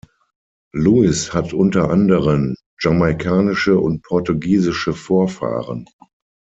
Lewis hat unter anderen jamaikanische und portugiesische Vorfahren.